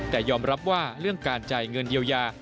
แต่ยอมรับว่าเรื่องการจ่ายเงินเยียวยา